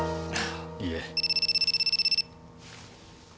いえ。